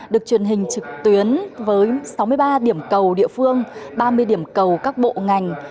được truyền hình trực tuyến với sáu mươi ba điểm cầu địa phương ba mươi điểm cầu các bộ ngành